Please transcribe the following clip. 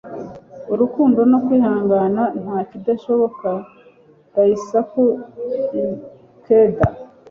urukundo no kwihangana, nta kidashoboka. - daisaku ikeda